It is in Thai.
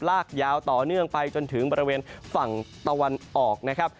ลากยาวต่อเนื่องไปจนถึงบริเวณฝั่งตะวันออกนะครับ